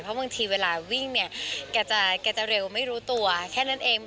เพราะบางทีเวลาวิ่งเนี่ยแกจะเร็วไม่รู้ตัวแค่นั้นเอง